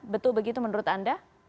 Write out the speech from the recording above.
betul begitu menurut anda